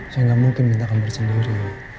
saya gak mungkin minta kamar sendiri